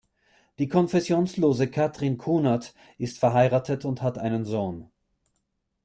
Die konfessionslose Katrin Kunert ist verheiratet und hat einen Sohn.